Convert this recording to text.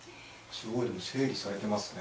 すごい整理されてますね。